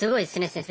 先生